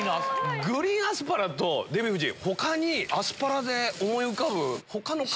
グリーンアスパラとデヴィ夫人他にアスパラで思い浮かぶ。